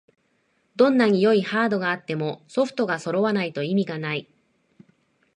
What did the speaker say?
どんなに良いハードがあってもソフトがそろわないと意味がない